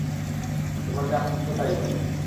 তোমার যা পছন্দ তাই রান্না কর।